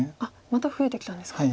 また増えてきたんですか。